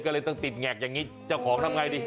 ก็เลยต้องติดแงกอย่างนี้เจ้าของทำไงดี